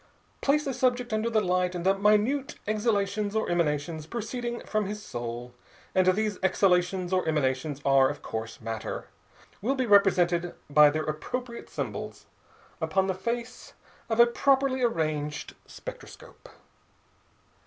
Place a subject under the light, and the minute exhalations or emanations proceeding from his soul and these exhalations or emanations are, of course, matter will be represented by their appropriate symbols upon the face of a properly arranged spectroscope.